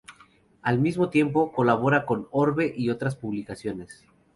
Al mismo tiempo, colabora con "Orbe" y otras publicaciones.